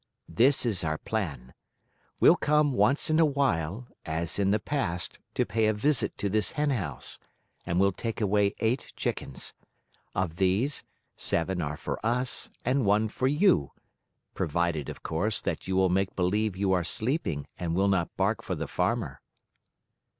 "This is our plan: We'll come once in a while, as in the past, to pay a visit to this henhouse, and we'll take away eight chickens. Of these, seven are for us, and one for you, provided, of course, that you will make believe you are sleeping and will not bark for the Farmer."